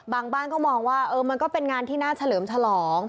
บางบ้านก็มองว่ามันก็เป็นงานที่น่าเฉลิมฉลอง